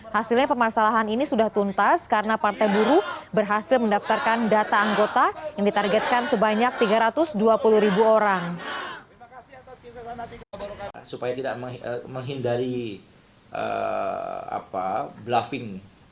hasilnya permasalahan ini sudah tuntas karena partai buruh berhasil mendaftarkan data anggota yang ditargetkan sebanyak tiga ratus dua puluh ribu orang